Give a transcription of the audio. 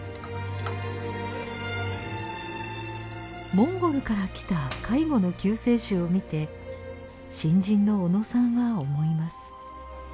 モンゴルから来た介護の救世主を見て新人の小野さんは思います。